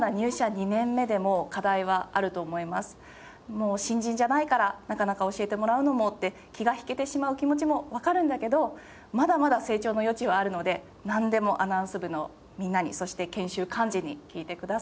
もう新人じゃないからなかなか教えてもらうのもって気が引けてしまう気持ちもわかるんだけどまだまだ成長の余地はあるのでなんでもアナウンス部のみんなにそして研修幹事に聞いてください。